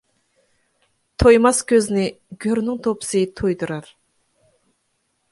تويماس كۆزنى گۆرنىڭ توپىسى تويدۇرار.